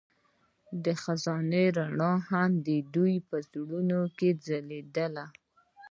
د خزان رڼا هم د دوی په زړونو کې ځلېده.